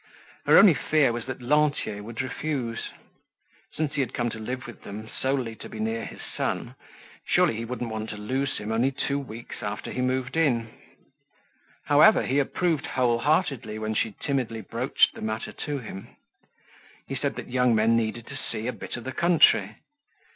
Her only fear was that Lantier would refuse. Since he had come to live with them solely to be near his son, surely he wouldn't want to lose him only two weeks after he moved in. However he approved whole heartedly when she timidly broached the matter to him. He said that young men needed to see a bit of the country.